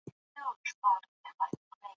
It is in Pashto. موږ باید د نورو کلتورونو په اړه سم قضاوت وکړو.